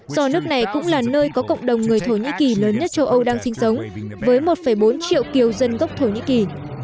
do nước này cũng là nơi có cộng đồng người thổ nhĩ kỳ lớn nhất châu âu đang sinh sống với một bốn triệu kiều dân gốc thổ nhĩ kỳ